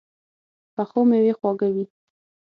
پخو مېوې خواږه وي